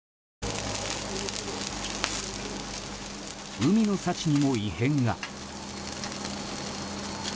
海の幸にも異変が。